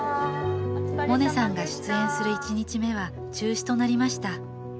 萌音さんが出演する１日目は中止となりました。